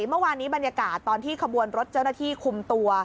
เมื่อวานนี้บรรยากาศตอนที่ขบวนรถเจ้าหน้าที่คุมตัว